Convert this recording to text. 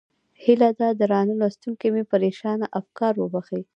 هیله ده درانه لوستونکي مې پرېشانه افکار وبښي.